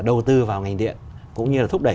đầu tư vào ngành điện cũng như là thúc đẩy